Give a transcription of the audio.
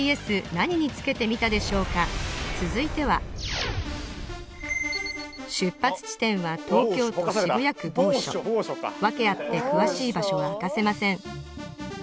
何につけてみたでしょうか続いては出発地点は東京都渋谷区某所訳あって詳しい場所は明かせません